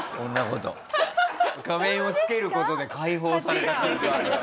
仮面をつける事で解放された感じはある。